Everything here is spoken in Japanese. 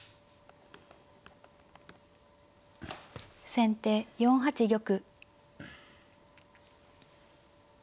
先手４八玉。